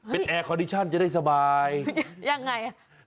เป็นแอร์คอดิชั่นจะได้สบายยังไง